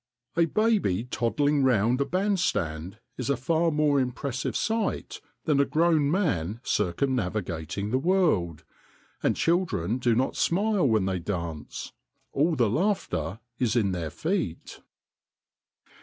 A baby toddling round a bandstand is a far more impressive sight than a grown man circum navigating the world, and children do not smile when they dance all the laughter is in their feet.